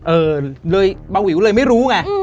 เออบาววิวเลยไม่รู้ไง